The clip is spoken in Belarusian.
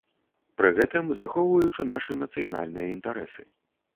Пры гэтым захоўваючы нашы нацыянальныя інтарэсы.